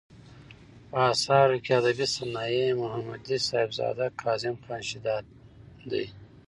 په اثارو کې ادبي صنايع ، محمدي صاحبزداه ،کاظم خان شېدا دى.